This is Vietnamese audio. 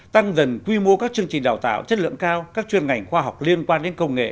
tăng dần quy mô các chương trình đào tạo chất lượng cao các chuyên ngành khoa học liên quan đến công nghệ